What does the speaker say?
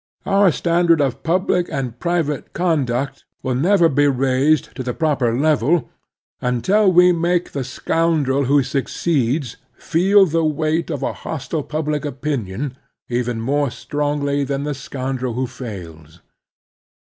Our standard of public and private conduct will never be raised to the proper level until we make the scoundrel who succeeds feel the weight of a hostile public opinion even more strongly than the scoundrel who fails.